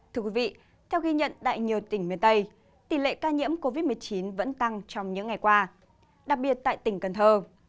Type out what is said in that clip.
thưa quý vị theo ghi nhận tại nhiều tỉnh miền tây tỷ lệ ca nhiễm covid một mươi chín vẫn tăng trong những ngày qua đặc biệt tại tỉnh cần thơ